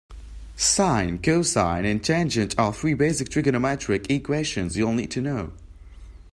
Sine, cosine and tangent are three basic trigonometric equations you'll need to know.